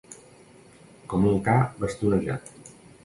Com un ca bastonejat.